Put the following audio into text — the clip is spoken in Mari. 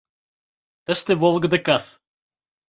Тыште волгыдо кас